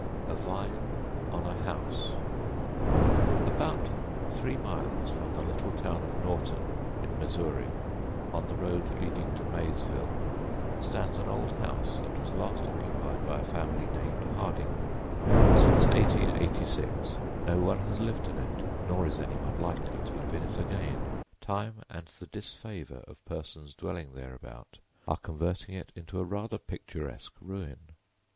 A VINE ON A HOUSE ABOUT three miles from the little town of Norton, in Missouri, on the road leading to Maysville, stands an old house that was last occupied by a family named Harding. Since 1886 no one has lived in it, nor is anyone likely to live in it again. Time and the disfavor of persons dwelling thereabout are converting it into a rather picturesque ruin.